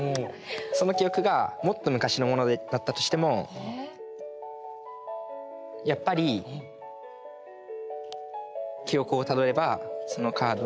その記憶がもっと昔のものだったとしてもやっぱり記憶をたどればそのカードを。